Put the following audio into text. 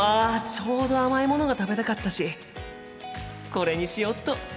ちょうど甘いものが食べたかったしこれにしよっと。